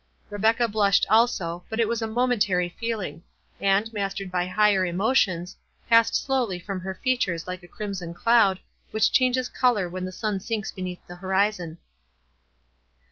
Rebecca blushed also, but it was a momentary feeling; and, mastered by higher emotions, past slowly from her features like the crimson cloud, which changes colour when the sun sinks beneath the horizon.